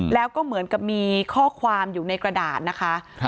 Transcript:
แล้วก็เหมือนกับมีข้อความอยู่ในกระดาษนะคะ